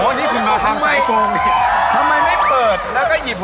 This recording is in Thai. อันนี้มีชื่อว่าเก็บใจไว้ในลิ้นชัก